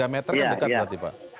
tiga meter kan dekat berarti pak